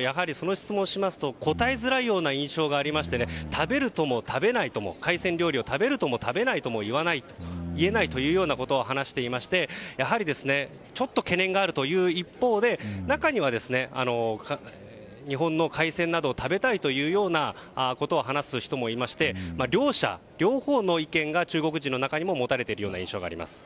やはり、その質問をしますと答えづらいような印象がありまして海鮮料理を食べるとも食べないとも言えないということを話していましてやはりちょっと懸念があるという一方で中には、日本の海鮮などを食べたいというようなことを話す人もいて両者、両方の意見が中国人の中にも持たれているような印象があります。